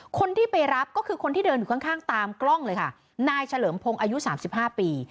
คนที่ไปรับก็คือคนที่เดินอยู่ข้างตามกล้องเลยค่ะนายเฉลิมพงศ์อายุสามสิบห้าปี